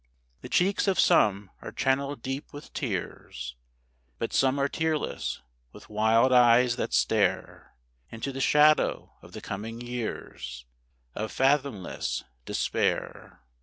The cheeks of some are channelled deep with tears; But some are tearless, with wild eyes that stare Into the shadow of the coming years Of fathomless despair.